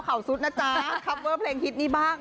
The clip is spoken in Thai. คัปเวอร์เพลงฮิตนี้บ้าง